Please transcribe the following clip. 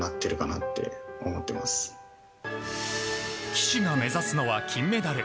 岸が目指すのは金メダル。